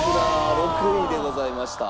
６位でございました。